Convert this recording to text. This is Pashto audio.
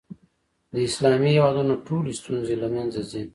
د اسلامي هېوادونو ټولې ستونزې له منځه ځي.